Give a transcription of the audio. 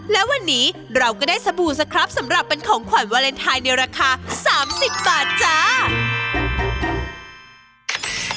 และวันนี้เราก็ได้สบู่สครับสำหรับเป็นของขวัญวาเลนไทยในราคา๓๐บาทจ้า